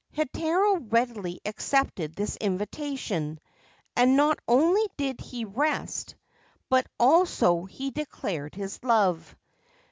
1 Heitaro readily accepted this invitation, and not only did he rest, but also he declared his love.